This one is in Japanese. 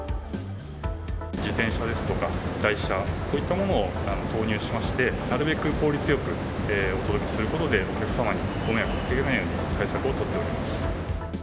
自転車ですとか、台車といったものを投入しまして、なるべく効率よく、お届けすることで、お客様にご迷惑をかけないように対策を取っております。